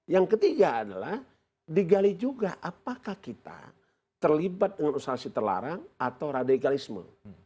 yang ketiga adalah digali juga apakah kita terlibat dengan usaha terlarang atau radikalisme